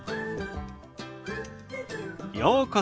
ようこそ。